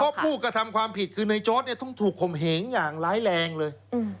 เพราะผู้กระทำความผิดคือในโจ๊ดเนี่ยต้องถูกข่มเหงอย่างร้ายแรงเลย